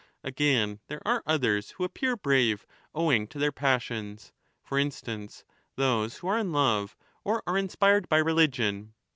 Again, there are others who appear brave owing to their passions ; for instance, those who are in love or are inspired by religion.